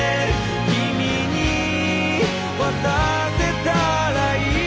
「君に渡せたらいい」